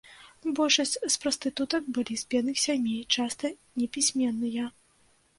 Большасць з прастытутак былі з бедных сямей, часта непісьменныя.